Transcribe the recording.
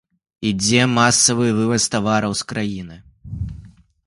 Ідзе масавы вываз тавараў з краіны.